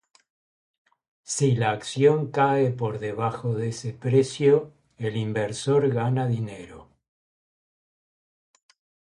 Si la acción cae por debajo de ese precio, el inversor gana dinero.